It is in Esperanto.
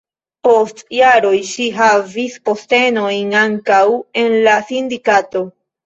Post jaroj ŝi havis postenojn ankaŭ en la sindikato.